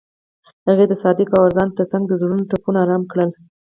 هغې د صادق اوازونو ترڅنګ د زړونو ټپونه آرام کړل.